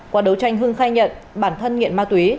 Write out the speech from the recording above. qua đấu tranh hưng khai nhận bản thân nghiện ma túy